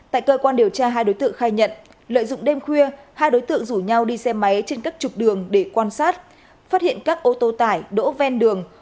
tại cơ quan điều tra hai đối tượng khai nhận lợi dụng đêm khuya hai đối tượng rủ nhau đi xe máy trên các trục đường để quan sát phát hiện các ô tô tải đỗ ven đường